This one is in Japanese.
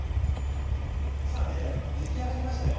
さぁ出来上がりましたよ。